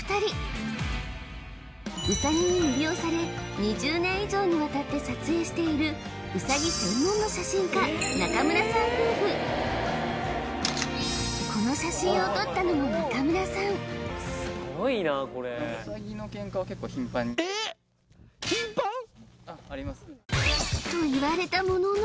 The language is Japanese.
ウサギに魅了され２０年以上にわたって撮影しているこの写真を撮ったのも中村さんえっあっあります